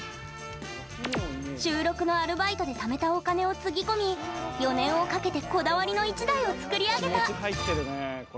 週６のアルバイトでためたお金をつぎ込み４年をかけてこだわりの１台を作り上げた。